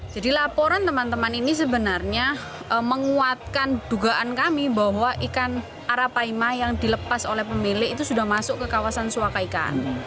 jadi laporan teman teman ini sebenarnya menguatkan dugaan kami bahwa ikan arapaima yang dilepas oleh pemilik itu sudah masuk ke kawasan suaka ikan